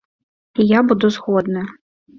І я буду згодны.